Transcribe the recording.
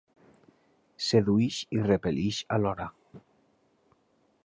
Sedueix i repel·leix alhora.